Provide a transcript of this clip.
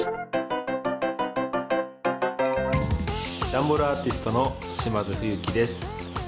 ダンボールアーティストの島津冬樹です。